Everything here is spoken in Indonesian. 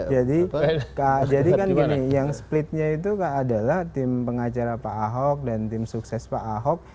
jadi kak jadi kan gini yang splitnya itu adalah tim pengacara pak ahok dan tim sukses pak ahok